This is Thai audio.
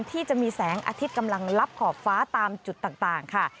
ที่จะมีแสงอาทิตย์กำลังลับขอบฟ้าตามจุดต่างค่ะ